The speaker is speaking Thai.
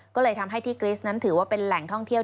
ก็เลยทำให้ที่กริสนั้นถือว่าเป็นแหล่งท่องเที่ยว